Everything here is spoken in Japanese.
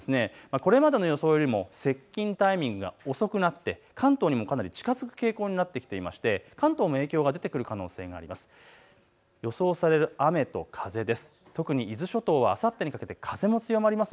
これまでの予想よりも接近タイミングが遅くなって関東にもかなり近づく傾向になっていまして関東にも影響が出てくる可能性があります。